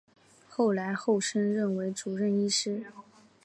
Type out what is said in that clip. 后来侯升任为主治医师。